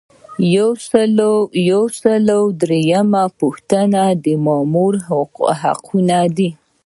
یو سل او دریمه پوښتنه د مامور حقوق دي.